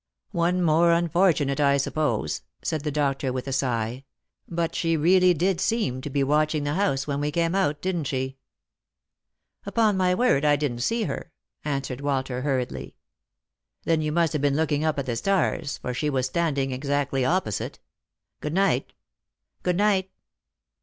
"' One more unfortunate,' I suppose," said the doctor with a sigh ;" but she really did seem to be watching the house when we came out, didn't she ?" "Upon my word, I didn't see her," answered Walter hur riedly. " Then you must have been looking up at the stars, for she was standing exactly opposite. Good night." " Good night."